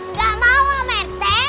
nggak mau maete